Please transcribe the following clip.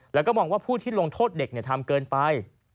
แล้วก็มองว่าผู้ที่ลงโทษเด็กทำเกินไป